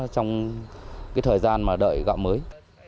trong thời gian đợi gạo mới